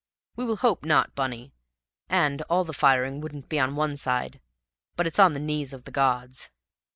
We will hope not, Bunny; and all the firing wouldn't be on one side; but it's on the knees of the gods."